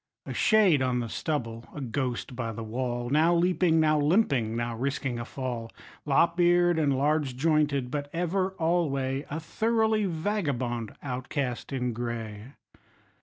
A shade on the stubble, a ghost by the wall, Now leaping, now limping, now risking a fall, Lop eared and large jointed, but ever alway A thoroughly vagabond outcast in gray.